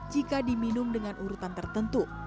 jika diminum dengan urutan tertentu